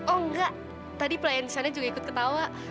oh enggak tadi pelayanannya juga ikut ketawa